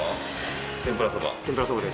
天ぷらそば。